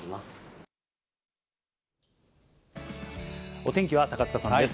お天気は高塚さんです。